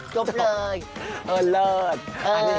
จบเลย